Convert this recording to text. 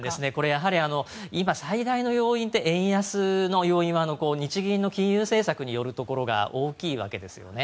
やはり、今最大の要因って円安の要因は日銀の金融政策によるところが大きいわけですよね。